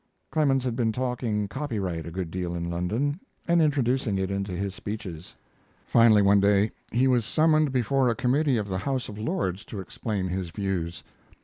Clemens had been talking copyright a good deal in London, and introducing it into his speeches. Finally, one day he was summoned before a committee of the House of Lords to explain his views.